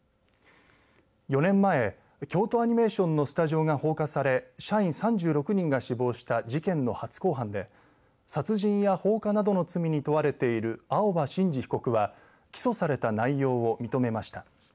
４年前京都アニメーションのスタジオが放火され社員３６人が死亡した事件の初公判で殺人や放火などの罪に問われている青葉真司被告は起訴された内容を認めました。